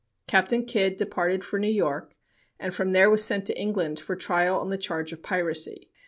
Captain Kidd departed for New York, and from there was sent to England for trial on the charge of piracy.